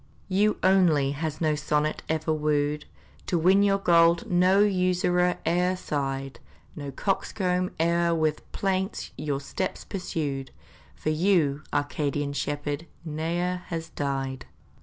You only has no sonnet ever wooed, To win your gold no usurer e'er sighed No coxcomb e'er with plaints your steps pursued, For you, Arcadian shepherd ne'er has died.